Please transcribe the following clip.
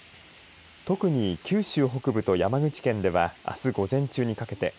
特に、九州北部と山口県ではあす午前中にかけて。